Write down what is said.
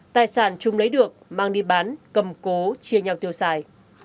tài sản chung lấy được mang đi bán cầm cố chia nhau tiêu xài